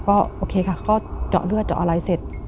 ก็โอเคค่ะก็เจาะเลือดเจาะอะไรเสร็จ